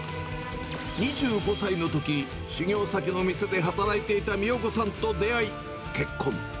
２５歳のとき、修業先の店で働いていた美代子さんと出会い結婚。